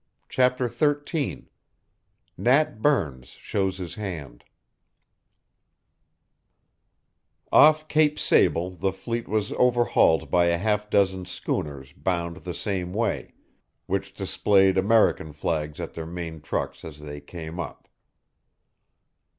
CHAPTER XIII NAT BURNS SHOWS HIS HAND OFF Cape Sable the fleet was overhauled by a half dozen schooners bound the same way, which displayed American flags at their main trucks as they came up.